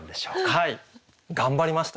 はい頑張りました。